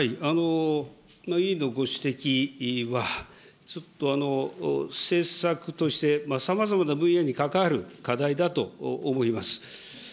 委員のご指摘は、ちょっと政策としてさまざまな分野に関わる課題だと思います。